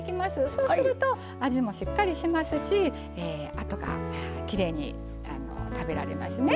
そうすると味もしっかりしますしあとがきれいに食べられますね。